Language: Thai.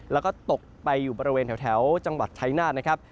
แล้วก็ตกไปอยู่บริเวณแถวจังหวัดไทยนาฬ